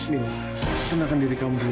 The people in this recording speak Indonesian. nina tenangkan diri kamu dulu